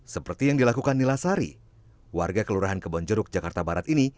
seperti yang dilakukan nila sari warga kelurahan kebonjeruk jakarta barat ini